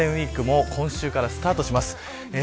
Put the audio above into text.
ゴールデンウイークも今週からスタートします。